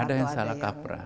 ada yang salah kaprah